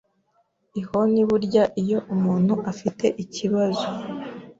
ihoni burya iyo umuntu afite ikibazo